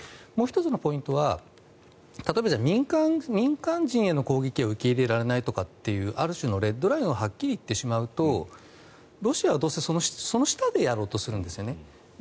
もう１つのポイントは例えば、民間人への攻撃が受け入れられないというある種のレッドラインをはっきり言ってしまうとロシアはどうせその下でやろうとするんですね。